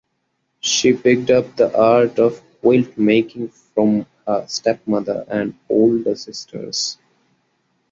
She picked up the art of quilt making from her stepmother and older sisters.